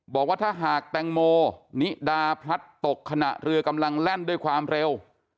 บอกว่าถ้าหากแตงโมนิดาพลัดตกขณะเรือกำลังแล่นด้วยความเร็ว